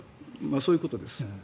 そういうことです。